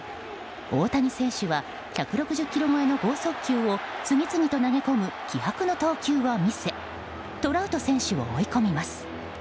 大谷選手は、１６０キロ超えの豪速球を次々と投げ込む気迫の投球を見せトラウト選手を追い込みます。